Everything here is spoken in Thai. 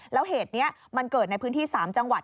แล้วเหตุนี้มันเกิดในพื้นที่๓จังหวัด